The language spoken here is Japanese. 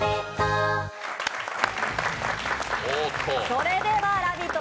それでは「ラヴィット！